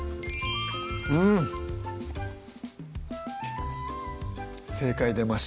うん正解出ました